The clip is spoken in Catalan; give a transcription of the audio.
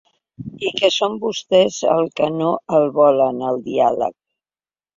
I que són vostès el que no el volen, el diàleg.